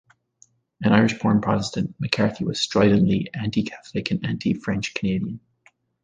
An Irish-born Protestant, McCarthy was stridently anti-Catholic and anti-French Canadian.